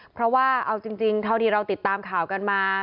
เพราะว่าเอาจริงเท่าที่เราติดตามข่าวกันมา